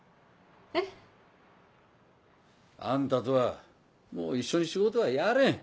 えっ？あんたとはもう一緒に仕事はやれん。